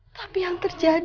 tapi yang terjadi